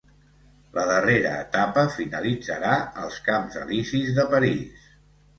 La darrera etapa finalitzarà als Camps Elisis de París.